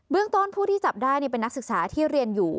เรื่องต้นผู้ที่จับได้เป็นนักศึกษาที่เรียนอยู่